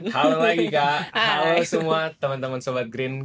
halo lagi kak halo semua teman teman sobat green